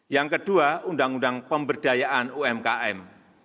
yang kedua undang undang pemberdayaan umkm